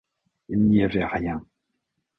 Il n’y avait rien